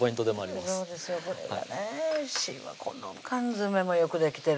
おいしいわこの缶詰もよくできてる